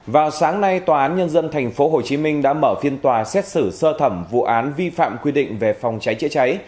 vào sáng nay tòa án nhân dân tp hcm đã mở phiên tòa xét xử sơ thẩm vụ án vi phạm quy định về phòng cháy chữa cháy